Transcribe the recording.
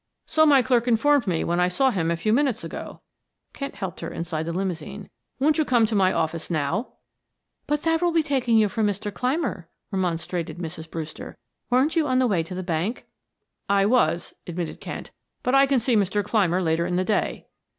"So my clerk informed me when I saw him a few minutes ago." Kent helped her inside the limousine. "Won't you come to my office now?" "But that will be taking you from Mr. Clymer," remonstrated Mrs. Brewster. "Weren't you on the way to the bank?" "I was," admitted Kent. "But I can see Mr. Clymer later in the day."